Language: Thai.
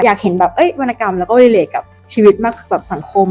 อยากเห็นวนกรรมก็ลีนเละกับชีวิตมากกับสังคม